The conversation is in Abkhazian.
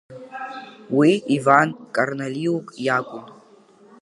Уи Иван Карналиук иакәын.